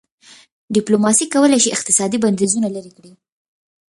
ډيپلوماسي کولای سي اقتصادي بندیزونه لېرې کړي.